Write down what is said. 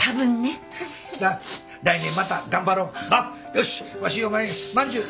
よしわしがお前まんじゅう